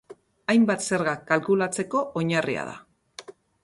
Hainbat zerga kalkulatzeko oinarria da.